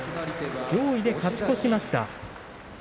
上位で勝ち越しました。